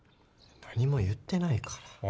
何も言ってないから。